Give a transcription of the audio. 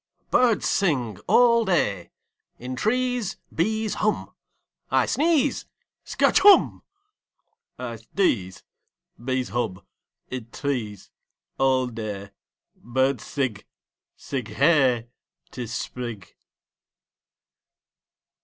Birds sing All day. In trees Bees hum I sneeze Skatch Humb!! I sdeeze. Bees hub. Id trees All day Birds sig. Sig Hey! 'Tis Sprig!